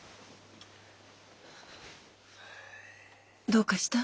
どうかした？